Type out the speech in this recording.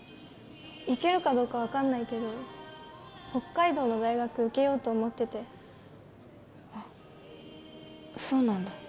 行けるかどうか分かんないけど北海道の大学受けようと思っててあっそうなんだ